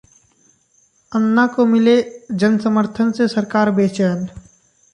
अन्ना को मिले जनसमर्थन से सरकार बेचैन